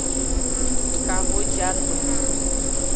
Kahiciaton.